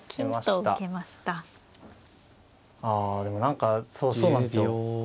でも何かそうなんですよ。